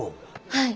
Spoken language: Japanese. はい。